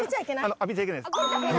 浴びちゃいけないです。